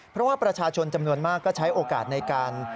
เพราะว่าประชาชนจำนวนมากก็ใช้โอกาสในการ